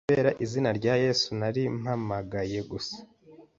kubera izina rya Yesu nari mpamagaye gusa